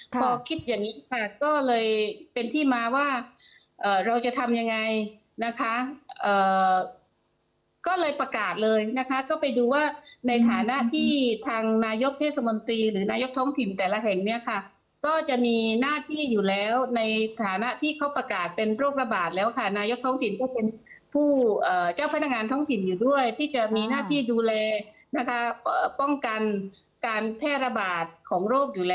พอคิดอย่างนี้ค่ะก็เลยเป็นที่มาว่าเราจะทำยังไงนะคะก็เลยประกาศเลยนะคะก็ไปดูว่าในฐานะที่ทางนายกเทศมนตรีหรือนายกท้องถิ่นแต่ละแห่งเนี่ยค่ะก็จะมีหน้าที่อยู่แล้วในฐานะที่เขาประกาศเป็นโรคระบาดแล้วค่ะนายกท้องถิ่นก็เป็นผู้เจ้าพนักงานท้องถิ่นอยู่ด้วยที่จะมีหน้าที่ดูแลนะคะป้องกันการแพร่ระบาดของโรคอยู่แล้ว